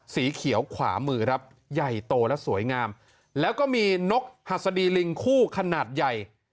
สีเขียวขวามือครับใหญ่โตและสวยงามแล้วก็มีนกหัสดีลิงคู่ขนาดใหญ่